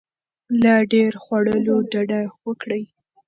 له ډیر خوړلو ډډه وکړئ.